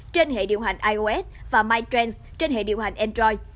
trên hệ điều hành ios và mytrends trên hệ điều hành android